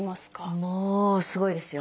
もうすごいですよ。